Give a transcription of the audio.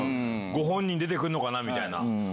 ご本人出てくるのかなみたいな。